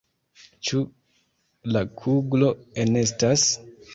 Ĉu la kuglo enestas?